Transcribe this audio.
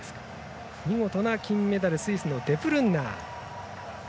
見事な金メダル、スイスデプルンナー。